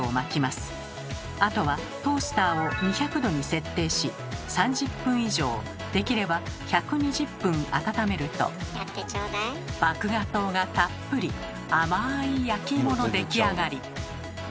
あとはトースターを２００℃に設定し３０分以上できれば１２０分温めると麦芽糖がたっぷりあまい焼き芋の出来上がり。